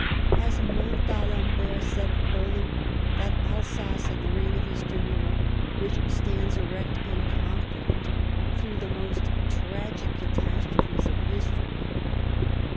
As Montalembert said of Poland, that Alsace Lorraine of Eastern Europe which stands erect and confident through the most tragic catas trophes of history.